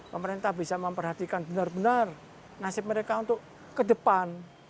pemerintah bisa memperhatikan benar benar nasib mereka untuk ke depan